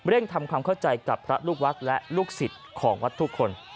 ทำความเข้าใจกับพระลูกวัดและลูกศิษย์ของวัดทุกคน